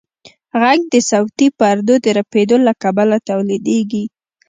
غږ د صوتي پردو د رپېدو له کبله تولیدېږي.